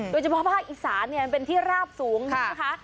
โดยเฉพาะภาคอีสานเนี่ยมันเป็นที่ราบสูงนะคะ